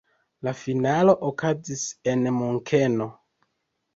La finalo okazis en Munkeno.